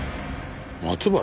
松原？